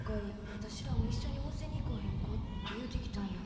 私らも一緒に温泉に行かへんかて言うてきたんや。